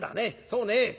そうね